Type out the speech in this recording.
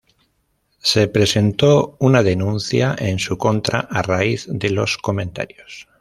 Se presentó una denuncia en su contra a raíz de los comentarios.